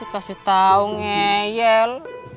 kasih tau ngeyel